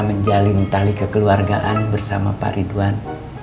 menjalin tali kekeluargaan bersama pak ridwan